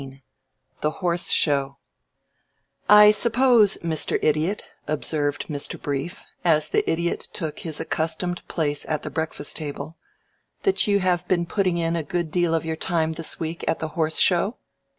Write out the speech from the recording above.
XVI THE HORSE SHOW "I suppose, Mr. Idiot," observed Mr. Brief, as the Idiot took his accustomed place at the breakfast table, "that you have been putting in a good deal of your time this week at the Horse Show?"